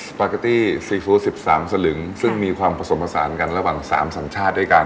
ปาเกตตี้ซีฟู้ด๑๓สลึงซึ่งมีความผสมผสานกันระหว่าง๓สัญชาติด้วยกัน